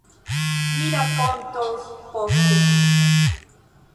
Mi rakontos poste...